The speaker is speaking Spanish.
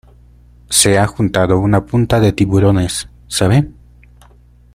se ha juntado una punta de tiburones, ¿ sabe?